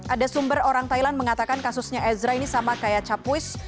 ada sumber orang thailand mengatakan kasusnya ezra ini sama kayak capuis